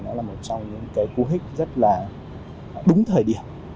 nó là một trong những cái cú hích rất là đúng thời điểm